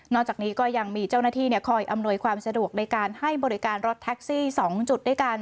จากนี้ก็ยังมีเจ้าหน้าที่คอยอำนวยความสะดวกในการให้บริการรถแท็กซี่๒จุดด้วยกัน